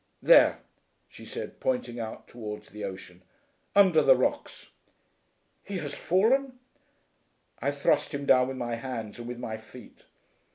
"There," she said, pointing out towards the ocean. "Under the rocks!" "He has fallen!" "I thrust him down with my hands and with my feet."